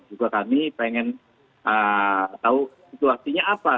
juga kami pengen tahu situasinya apa